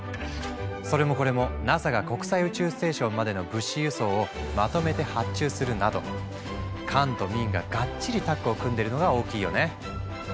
それもこれもＮＡＳＡが国際宇宙ステーションまでの物資輸送をまとめて発注するなど官と民ががっちりタッグを組んでるのが大きいよね。